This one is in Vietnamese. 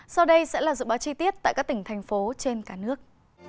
sau đây sẽ là dự báo chi tiết tại các tỉnh thành phố trên cả nước